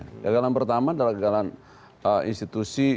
kegagalan pertama adalah kegagalan institusi